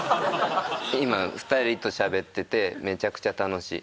今２人としゃべっててめちゃくちゃ楽しい。